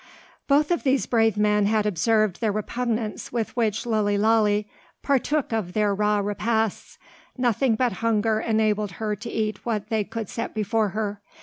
Both of these brave men had observed the repugnance with which Lilly Lalee partook of their raw repasts. Nothing but hunger enabled her to eat what they could set before her.